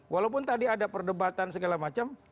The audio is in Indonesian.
walaupun tadi ada perdebatan segala macam